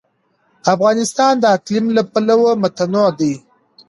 افغانستان د اقلیم له پلوه متنوع دی.